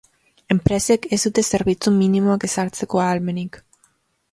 Enpresek ez dute zerbitzu minimoak ezartzeko ahalmenik.